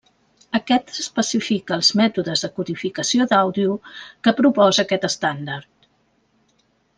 Aquest especifica els mètodes de codificació d'àudio que proposa aquest estàndard.